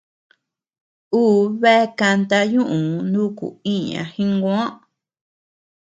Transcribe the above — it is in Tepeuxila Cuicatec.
Uu bea kanta ñuuu nuku iña Jiguoo.